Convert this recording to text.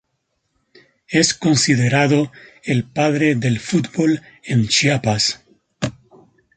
Es considerado el padre del fútbol en Chiapas.